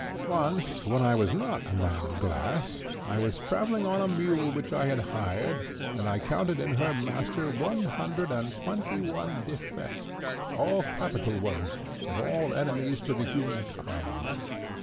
"Once, when I was not a man of glass, I was travelling on a mule which I had hired, and I counted in her master one hundred and twenty one defects, all capital ones, and all enemies to the human kind.